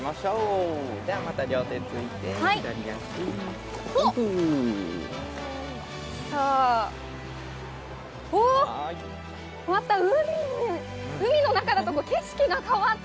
ではまた両手ついて、左足また海の中だと景色が変わって。